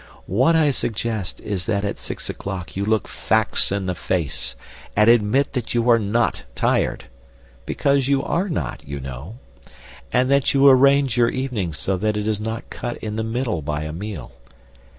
What I suggest is that at six o'clock you look facts in the face and admit that you are not tired (because you are not, you know), and that you arrange your evening so that it is not cut in the middle by a meal.